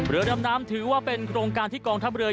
เรือดำน้ำถือว่าเป็นโครงการที่กองทัพเรือ